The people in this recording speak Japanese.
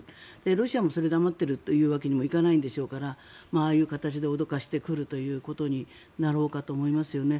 ロシアもそれで黙っているわけにもいかないでしょうからああいう形で脅かしてくるということになろうかと思いますよね。